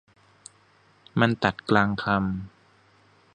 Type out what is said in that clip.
มันตัดกลางคำ